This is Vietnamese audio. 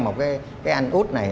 một cái anh út này